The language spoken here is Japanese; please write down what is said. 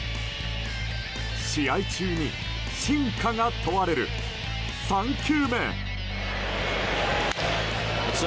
試合中にシンカが問われる、３球目。